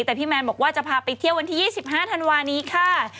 แต่พี่แมนบอกว่าจะพาไปเที่ยววันที่๒๕ธันวานี้ค่ะ